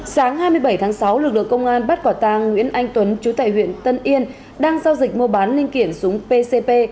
sáng hai mươi bảy tháng sáu lực lượng công an bắt quả tàng nguyễn anh tuấn chú tại huyện tân yên đang giao dịch mua bán linh kiện súng pcp